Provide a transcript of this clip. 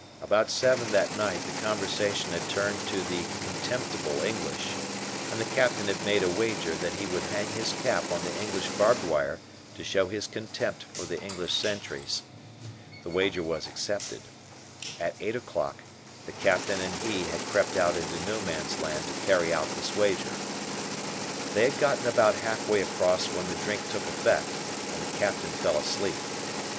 About seven that night the conversation had turned to the "contemptible" English, and the Captain had made a wager that he would hang his cap on the English barbed wire to show his contempt for the English sentries. The wager was accepted. At eight o' clock the Captain and he had crept out into No Man's Land to carry out this wager. They had gotten about half way across when the drink took effect and the Captain fell asleep.